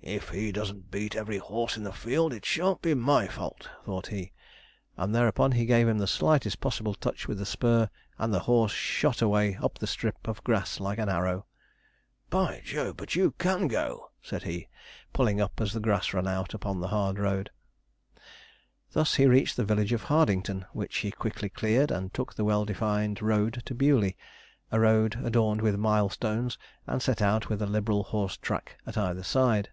'If he doesn't beat every horse in the field, it shan't be my fault,' thought he; and thereupon he gave him the slightest possible touch with the spur, and the horse shot away up a strip of grass like an arrow. 'By Jove, but you can go!' said he, pulling up as the grass ran out upon the hard road. Thus he reached the village of Hardington, which he quickly cleared, and took the well defined road to Bewley a road adorned with milestones and set out with a liberal horse track at either side.